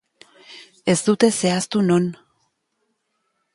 Ez dute zehaztu non.